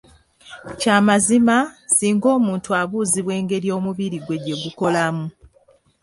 Kya mazima singa omuntu abuuzibwa engeri omubiri gwe gyegukolamu.